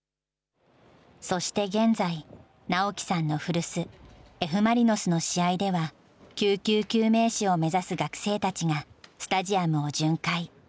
そして現在、直樹さんの古巣、Ｆ・マリノスの試合では、救急救命士を目指す学生たちが、スタジアムを巡回。